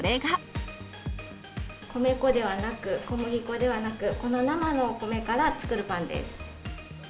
米粉ではなく、小麦粉ではなく、この生のお米から作るパンです。